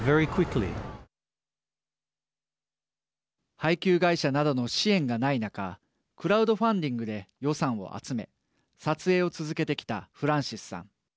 配給会社などの支援がない中クラウドファンディングで予算を集め撮影を続けてきたフランシスさん。